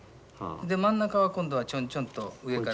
で真ん中は今度はちょんちょんと上から。